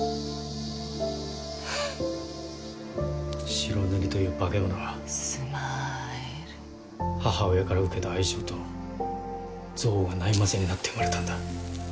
白塗りという化け物は母親から受けた愛情と憎悪がない交ぜになって生まれたんだ。